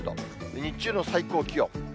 日中の最高気温。